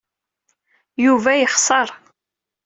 Yuba yexṣer.